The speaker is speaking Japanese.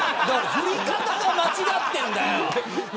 振り方が間違ってるんだよ。